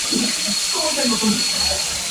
Fue nominado para un premio Grammy.